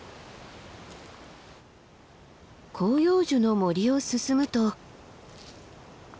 広葉樹の森を進むと。